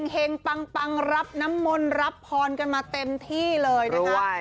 ปังรับน้ำมนต์รับพรกันมาเต็มที่เลยนะคะ